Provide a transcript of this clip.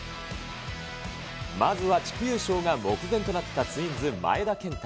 まずは地区優勝が目前となったツインズ、前田健太。